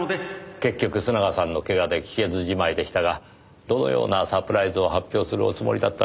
結局須永さんのけがで聞けずじまいでしたがどのようなサプライズを発表するおつもりだったのでしょう？